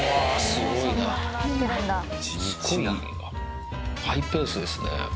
すごいハイペースですね。